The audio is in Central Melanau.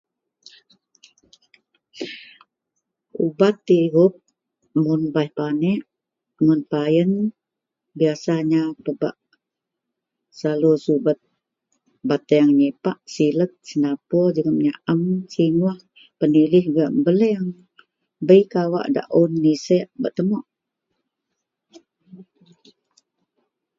Ubat irup mun baih panaek, mun payen biasanya selalu pebak bateang nyipak, sileg senapur jegem nyaem singuoh, penilih gak beleang, bei kawak daun niseakbak temok.